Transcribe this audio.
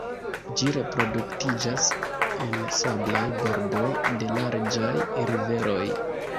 Ĝi reproduktiĝas en sablaj bordoj de larĝaj riveroj.